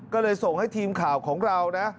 ก็เลยส่งให้ทีมข่าวของเรานะ